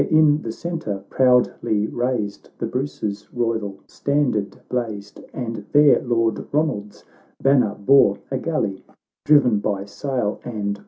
There, in the centre, proudly raised, The Bruce's royal standard blazed, And there Lord Ronald's banner bore A galley driven by sail and oar.